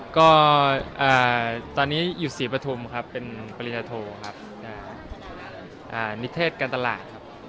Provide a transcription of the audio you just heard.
ก็ตอนนี้อยู่สีปฐุมเป็นปริณาโทนิเทศกันตลาด